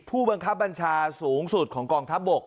ผู้บังคับบัญชาสูงสุดของกองทัพบก